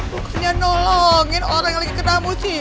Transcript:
bukannya nolongin orang yang lagi ketamu sih